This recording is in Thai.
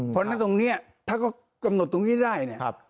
เพราะฉะนั้นตรงนี้ถ้าเขากำหนดตรงนี้ได้เนี่ย